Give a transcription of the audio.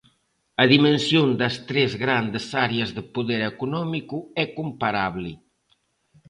A dimensión das tres grandes áreas de poder económico é comparable.